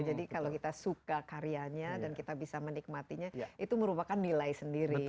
jadi kalau kita suka karyanya dan kita bisa menikmatinya itu merupakan nilai sendiri